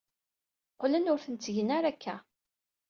Qqlen ur ten-ttgen ara akka.